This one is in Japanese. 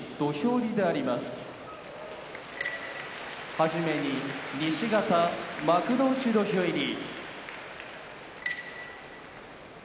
はじめに西方幕内土俵入り。